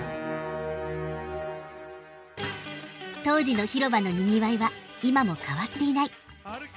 当時の広場のにぎわいは今も変わっていない。